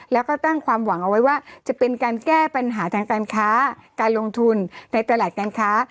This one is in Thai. แล้วก็ตั้งความหวังเอาไว้ว่าจะเป็นการแก้ปัญหาทางการค้าการลงทุนในตลาดการค้า